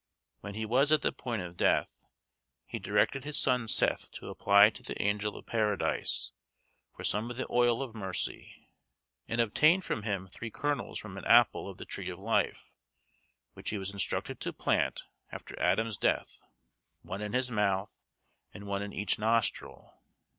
When he was at the point of death, he directed his son Seth to apply to the angel of Paradise, for some of the oil of mercy, and obtained from him three kernels from an apple of the tree of life, which he was instructed to plant after Adam's death; one in his mouth, and one in each nostril.